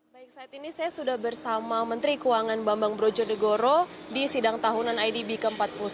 baik saat ini saya sudah bersama menteri keuangan bambang brojonegoro di sidang tahunan idb ke empat puluh satu